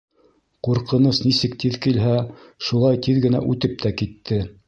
Ҡурҡыныс нисек тиҙ килһә, шулай тиҙ генә үтеп тә китте.